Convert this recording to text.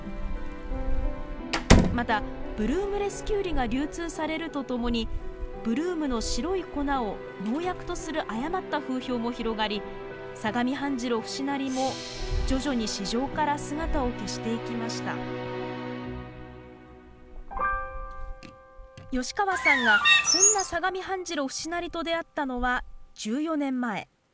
またブルームレスキュウリが流通されるとともにブルームの白い粉を農薬とする誤った風評も広がり相模半白節成も徐々に市場から姿を消していきました吉川さんがそんな相模半白節成と出会ったのは１４年前。